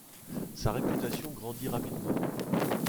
Sa réputation grandit rapidement.